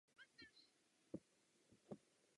Mohuč a levý břeh Rýna připadl Francii.